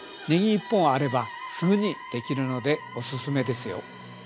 ねぎ１本あればすぐにできるのでおすすめですよ！